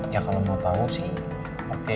ya kalo mau tau sih oke